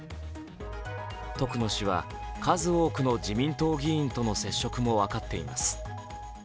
徳野氏は数多くの自民党議員との接触も分かっています。